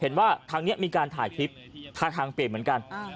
เห็นว่าทางนี้มีการถ่ายคลิปท่าทางเปลี่ยนเหมือนกัน